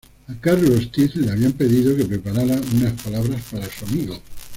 A Carlos Ortiz le habían pedido que preparara unas palabras para su amigo.